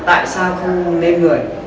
tại sao không nêm người